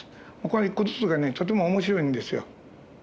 この一個ずつがねとても面白いんですよ。